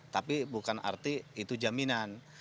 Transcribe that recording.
tapi bukan arti itu jaminan